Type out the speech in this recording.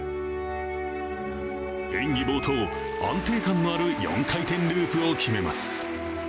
演技冒頭、安定感のある４回転ループを決めます。